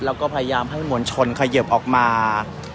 แล้วก็พยายามให้มวลชนเขยิบออกมา